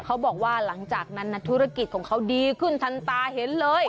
เขาบอกว่าหลังจากนั้นนักธุรกิจของเขาดีขึ้นทันตาเห็นเลย